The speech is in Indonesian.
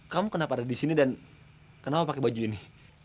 kamu kenapa ada di sini dan kenapa pakai baju ini